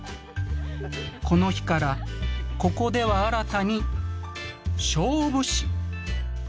この日からここでは新たに「勝負師」と呼ばれている。